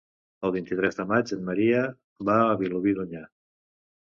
El vint-i-tres de maig en Maria va a Vilobí d'Onyar.